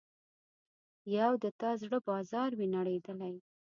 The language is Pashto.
یو د تا د زړه بازار وي نړیدلی